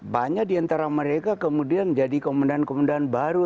banyak diantara mereka kemudian jadi komendan komendan baru